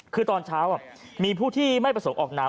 คือตอนเช้ามีผู้ที่ไม่ประสงค์ออกน้ำ